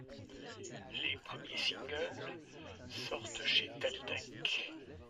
Les premiers singles sortent chez Teldec.